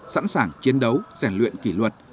sẵn sàng chiến đấu giải luyện kỷ luật